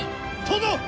殿！